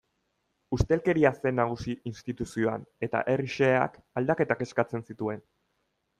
Ustelkeria zen nagusi instituzioan eta herri xeheak aldaketak eskatzen zituen.